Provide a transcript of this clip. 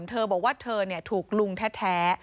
เธอบอกว่าเธอถูกลุงแท้